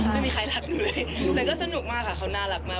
ไม่มีใครรักหนูเลยแต่ก็สนุกมากค่ะเขาน่ารักมาก